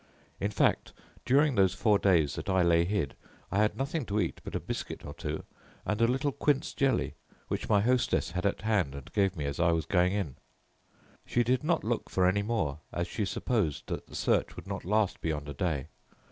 "In fact, during those four days that I lay hid I had nothing to eat but a biscuit or two and a little quince jelly, which my hostess had at hand and gave me as I was going in. "She did not look for any more, as she supposed that the search would not last beyond a day.